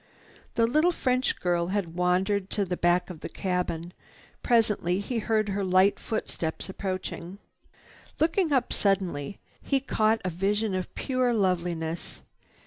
The little French girl had wandered to the back of the cabin. Presently he heard her light footsteps approaching. Looking up suddenly, he caught a vision of pure loveliness.